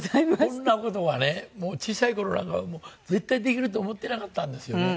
こんな事はねもう小さい頃なんかは絶対できると思ってなかったんですよね。